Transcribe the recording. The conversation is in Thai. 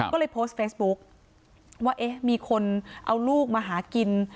ก็เลยโพสต์เฟซบุ๊กว่าเอ๊ะมีคนเอาลูกมาหากิน